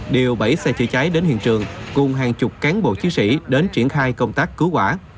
điều bảy xe chữa cháy đến hiện trường cùng hàng chục cán bộ chiến sĩ đến triển khai công tác cứu hỏa